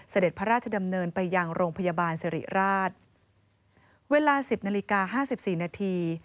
เสด็จพระราชดำเนินไปยังโรงพยาบาลสิริราชเวลาสิบนาฬิกาห้าสิบสี่นาที